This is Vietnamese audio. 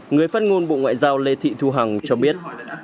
người phát ngôn bộ ngoại giao lê thị thu hằng cho biết